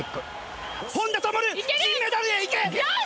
本多灯銀メダルへ行け！